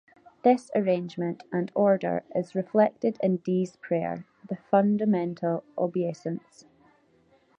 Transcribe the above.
This arrangement and order is reflected in Dee's prayer - The Fundamental Obeisance.